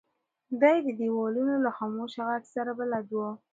دی د دیوالونو له خاموشه غږ سره بلد و.